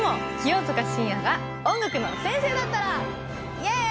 イエーイ！